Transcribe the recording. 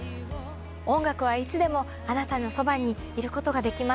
音楽はいつでもあなたのそばにいることができます。